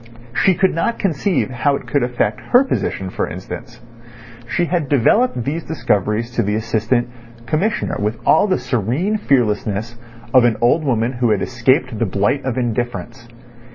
She could not conceive how it could affect her position, for instance. She had developed these discoveries to the Assistant Commissioner with all the serene fearlessness of an old woman who had escaped the blight of indifference.